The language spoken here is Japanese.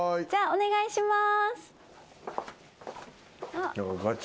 お願いします。